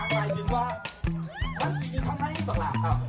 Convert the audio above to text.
มันจะอยู่ทั้งในหรือทั้งหลังครับ